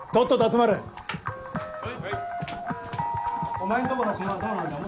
お前んとこのコマはどうなんだよ